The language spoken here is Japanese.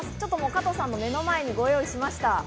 加藤さんの目の前に用意しました。